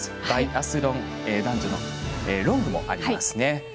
バイアスロン、男女のロングもありますね。